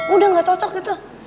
udah gak cocok gitu